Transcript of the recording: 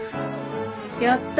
やった。